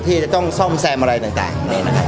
ที่จะต้องซ่อมแซมอะไรต่าง